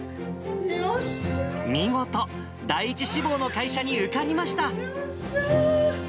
見事、第１志望の会社に受かりました。